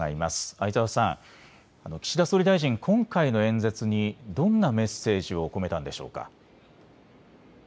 相澤さん、岸田総理大臣、今回の演説にどんなメッセージを込めたのでしょうか。